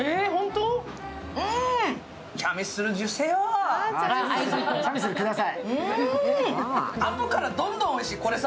うーん、あとからどんどんおいしい。